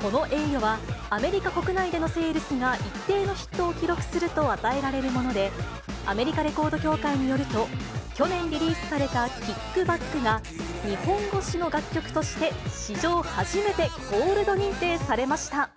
この栄誉は、アメリカ国内でのセールスが一定のヒットを記録すると与えられるもので、アメリカレコード協会によると、去年リリースされたＫＩＣＫＢＡＣＫが、日本語詞の楽曲として史上初めてゴールド認定されました。